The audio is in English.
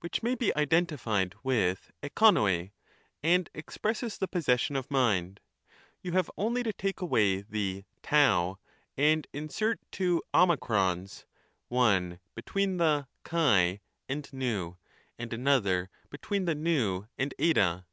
Which may be identified with ex^vot), and expresses the possession of mind : you have only to take away the t and insert two o's, one between the x and v, and another between the V and tj. Her.